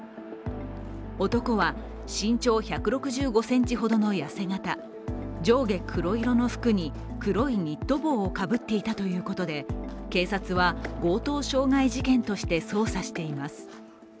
男は身長１６５ｃｍほどの痩せ形、上下黒色の服に黒いニット帽をかぶっていたということで警察は強盗傷害事件として捜査しています。